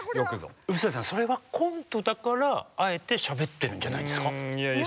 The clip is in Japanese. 臼田さんそれはコントだからあえてしゃべってるんじゃないですか？